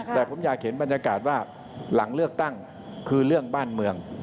แต่ผมอยากเห็นบรรยากาศว่าหลังเลือกตั้งคือเรื่องบ้านเมือง